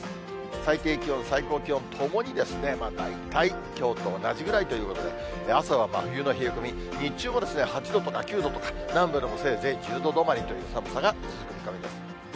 最低気温、最高気温ともにですね、大体きょうと同じぐらいということで、朝は真冬の冷え込み、日中も８度とか９度とか、南部でも、せいぜい１０度止まりという寒さが続く見込みです。